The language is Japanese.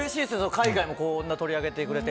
海外も取り上げてくれて。